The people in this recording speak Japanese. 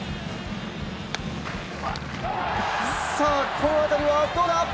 この当たりはどうだ？